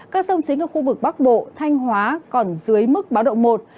các sông chính ở khu vực bắc bộ thanh hóa còn dưới mức báo động một